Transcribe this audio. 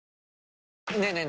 ねえねえ